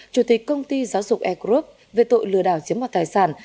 chủ tịch công ty giáo dục air group về tội lừa đảo chiếm vào tài sản